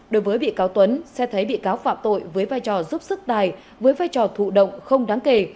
đối với bị cáo tuấn xét thấy bị cáo phạm tội với vai trò giúp sức tài với vai trò thụ động không đáng kể